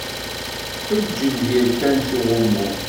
Eǧǧ lbir kan s uɣummu.